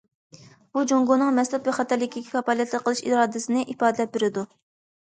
بۇ جۇڭگونىڭ مەھسۇلات بىخەتەرلىكىگە كاپالەتلىك قىلىش ئىرادىسىنى ئىپادىلەپ بېرىدۇ.